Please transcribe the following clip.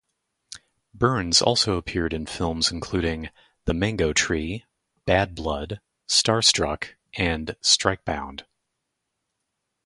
Burns also appeared in films including "The Mango Tree", "Bad Blood", "Starstruck", and "Strikebound".